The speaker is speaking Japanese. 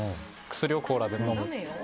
薬をコーラで飲むって。